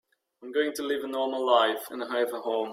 I'm going to live a normal life and have a home.